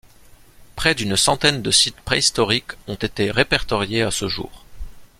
Près d'une centaine de sites préhistoriques ont été répertoriés à ce jour.